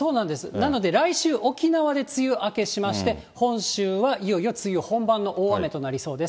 なので、来週、沖縄で梅雨明けしまして、本州はいよいよ梅雨本番の大雨となりそうです。